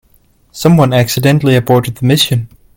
Someone accidentally aborted the mission.